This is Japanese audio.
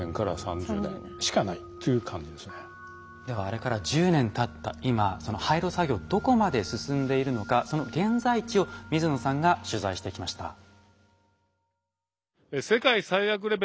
ではあれから１０年たった今その廃炉作業どこまで進んでいるのかその現在地を水野さんが取材してきました。